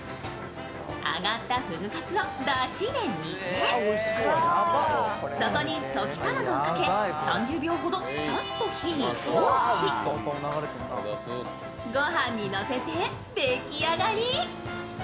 揚がったふぐカツをだしで煮て、そこに溶き卵をかけ、３０秒ほどサッと火に通し御飯にのせて、出来上がり。